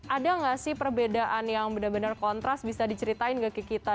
ada nggak sih perbedaan yang benar benar kontras bisa diceritain gak ke kita